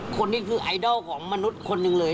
คนนี้คือไอดอลของมนุษย์คนหนึ่งเลย